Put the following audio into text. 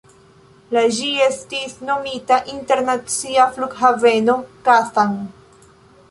La ĝi estis nomita Internacia flughaveno Kazan.